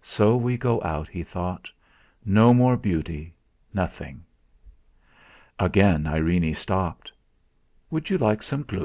'So we go out!' he thought. 'No more beauty! Nothing?' Again Irene stopped. "Would you like some Gluck?